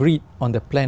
kế hoạch tập luyện